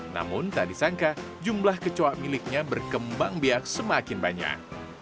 namun tak disangka jumlah kecoa miliknya berkembang biak semakin banyak